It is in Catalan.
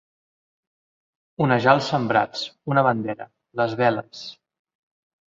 Onejar els sembrats, una bandera, les veles.